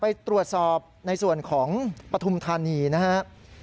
ไปตรวจสอบในส่วนของปฐุมธานีนะครับ